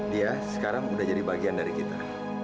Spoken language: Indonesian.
dia sekarang udah jadi bagian dari kita